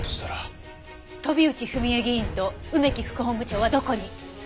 飛内文枝議員と梅木副本部長はどこに？